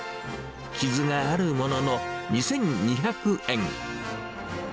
傷があるものの、２２００円。